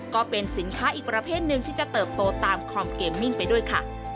ก็เป็นสินค้าอีกประเภทหนึ่งที่จะเติบโตตามคอมเกมมิ่งไปด้วยค่ะ